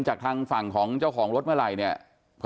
จากทางฝั่งของเจ้าของรถเมื่อไหร่เนี่ย